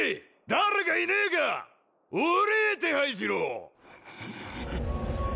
誰かいねえか檻手配しろ！